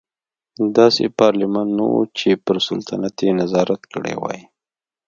داسې پارلمان نه و چې پر سلطنت یې نظارت کړی وای.